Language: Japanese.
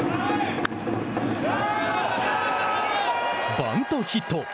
バントヒット。